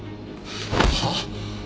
はあ？